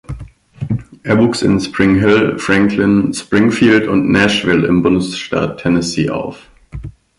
Er wuchs in Spring Hill, Franklin, Springfield und Nashville im Bundesstaat Tennessee auf.